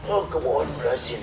oh kemohon beras ini